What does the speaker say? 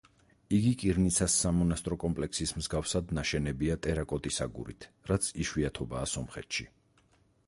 იგი კირანცის სამონასტრო კომპლექსის მსგავსად ნაშენებია ტერაკოტის აგურით, რაც იშვიათობაა სომხეთში.